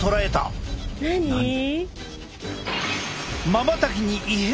まばたきに異変？